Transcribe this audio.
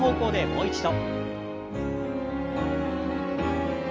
もう一度。